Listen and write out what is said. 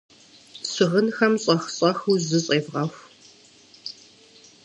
Щыгъынхэм щӀэх-щӀэхыурэ жьы щӏевгъэху.